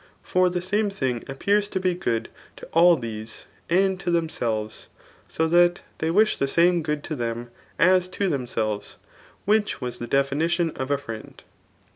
Tor the same things appear to be good to all these, and to themselves ; so that they wash die same good to them as to themselves j which was tbe definition of a friend.